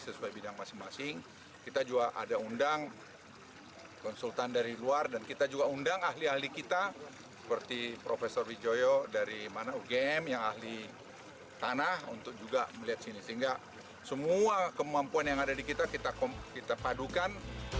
sehingga semua kemampuan yang ada di kita kita padukan